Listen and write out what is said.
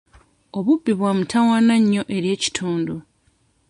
Obubbi bwamutawaana nnyo eri ekitundu.